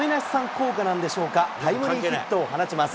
効果なんでしょうか、タイムリーヒットを放ちます。